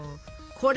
これ。